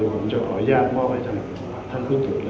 ผมจะขออนุญาตมบ่กให้ท่านคุณสูตร